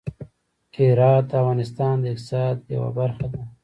هرات د افغانستان د اقتصاد یوه برخه ده.